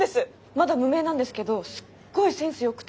まだ無名なんですけどすっごいセンスよくて。